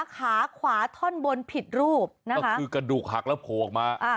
ขาขวาท่อนบนผิดรูปนะคะก็คือกระดูกหักแล้วโผล่ออกมา